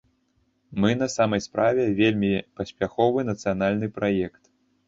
Мы на самай справе вельмі паспяховы нацыянальны праект.